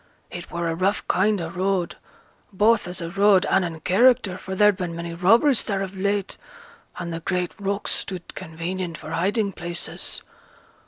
It were a rough kind o' road, both as a road and in character, for there'd been many robberies there of late, and th' great rocks stood convenient for hiding places.